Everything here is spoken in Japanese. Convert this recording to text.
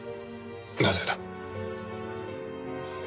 なぜだ？